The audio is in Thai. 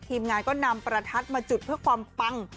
ทีมงานก็นำประทัดมาจุดเพื่อความปัง